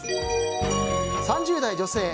３０代女性。